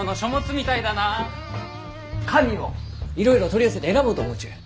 紙もいろいろ取り寄せて選ぼうと思うちゅう。